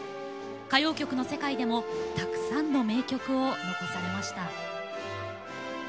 歌謡曲の世界でもたくさんの名曲を残されました。